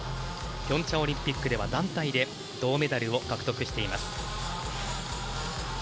平昌オリンピックでは団体で銅メダルを獲得しています。